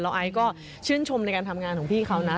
ไอซ์ก็ชื่นชมในการทำงานของพี่เขานะ